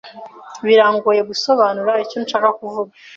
Birangoye gusobanura icyo nshaka kuvuga.